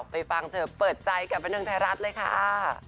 ไปฟังเถอะเปิดใจกับน้องไทยรัฐเลยค่ะ